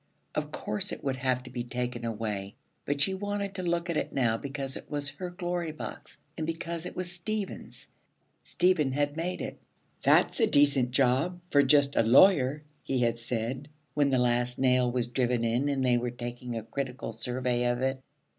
Of course it would have to be taken away, but she wanted to look at it now because it was her Glory Box and because it was Stephen's. Stephen had made it. 'That's a decent job for just a lawyer,' he had said, when the last nail was driven in and they were taking a critical survey of it.